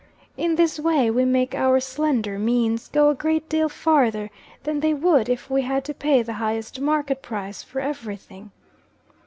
In this way we make our slender means go a great deal farther than they would if we had to pay the highest market price for every thing.